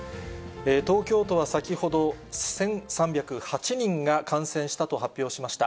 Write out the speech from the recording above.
東京都は先ほど、１３０８人が感染したと発表しました。